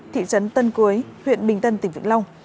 thị trấn tân cưới huyện bình tân tỉnh vĩnh long